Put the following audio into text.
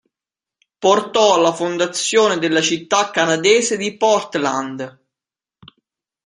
Portò alla fondazione della città canadese di Portland.